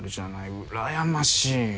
うらやましいよ。